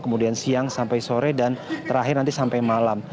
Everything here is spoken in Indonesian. kemudian siang sampai sore dan terakhir nanti sampai malam